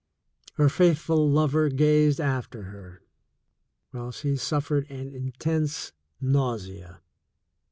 Her faithful lover gazed after her, while she suf fered an intense nausea.